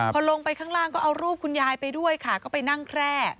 พอลงไปข้างล่างก็เอารูปคุณยายไปด้วยค่ะก็ไปนั่งแคร่